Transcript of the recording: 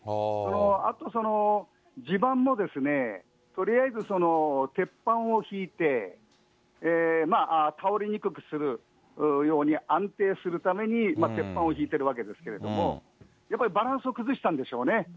あと地盤も、とりあえず鉄板をひいて、倒れにくくするように、安定するために、鉄板をひいてるわけですけれども、やっぱりバランスを崩したんでしょうね。